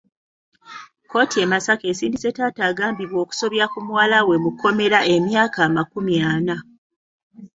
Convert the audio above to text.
Kkooti e Masaka esindise taata agambibwa okusobya ku muwala we mu kkomera emyaka amakumi ana.